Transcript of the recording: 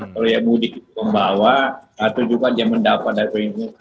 kalau yang mudik itu membawa atau juga yang mendapat dari mudik